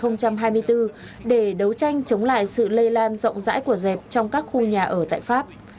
năm hai nghìn hai mươi bốn để đấu tranh chống lại sự lây lan rộng rãi của dẹp trong các khu nhà ở tại pháp